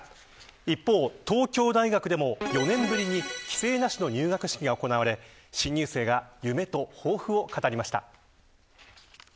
一方、東京大学でも４年ぶりに規制なしの入学式が行われ新入生が夢と抱負を語りました。